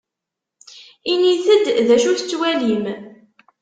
Init-d d acu tettwalim.